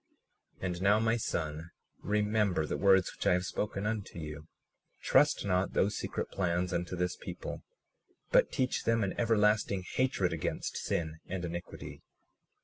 37:32 And now, my son, remember the words which I have spoken unto you; trust not those secret plans unto this people, but teach them an everlasting hatred against sin and iniquity.